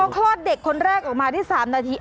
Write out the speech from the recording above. พ่อคลอดเด็กคนแรกออกมาที่๓นาที